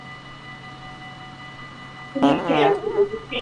Huyu mtu ni fundi ndiyo maana nikasema viatu hivi ni maalumu sana